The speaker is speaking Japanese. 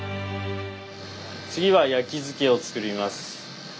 次は焼き漬けを作ります。